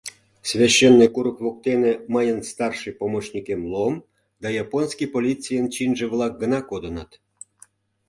Священный курык воктене мыйын старший помощникем Лом да японский полицийын чинже-влак гына кодыныт.